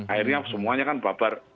akhirnya semuanya kan babar